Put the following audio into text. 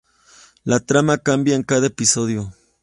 La trama cambia en cada episodio.